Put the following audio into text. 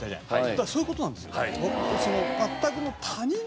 だからそういう事なんですよ。